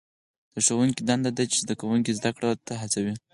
د ښوونکي دنده ده چې زده کوونکي زده کړو ته هڅوي.